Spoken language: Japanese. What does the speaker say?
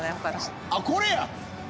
あっこれや。